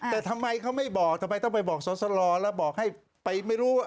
แต่ทำไมเขาไม่บอกทำไมต้องไปบอกสอสลแล้วบอกให้ไปไม่รู้ว่า